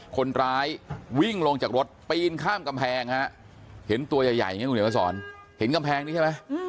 คนร้ายวิ่งลงจากรถปีนข้ามกำแพงฮะเห็นตัวใหญ่อย่างนี้คุณเดี๋ยวมาสอนเห็นกำแพงนี้ใช่ไหม